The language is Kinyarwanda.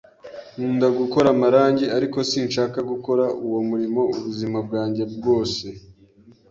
Nkunda gukora amarangi, ariko sinshaka gukora uwo murimo ubuzima bwanjye bwose.